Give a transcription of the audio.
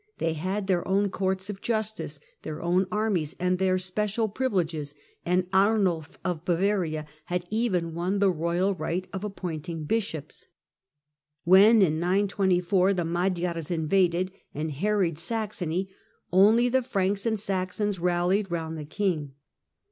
They had their own courts of justice, their own armies, and their special privileges, and Arnulf of Bavaria had even won the royal right of appointing bishops. When in 924 the Magyars invaded and harried Saxony, only the Franks and Saxons rallied round the king.